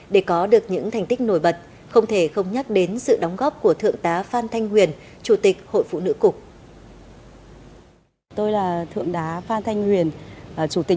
để có được những thành tích nổi bật không thể không nhắc đến sự đóng góp của thượng tá phan thanh huyền chủ tịch hội phụ nữ cục